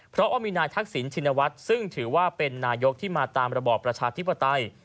เพราะว่ามีนายทักษิณชินวัฒน์ซึ่งถือว่าเป็นนายกที่มาตามระบอบประชาธิปไตย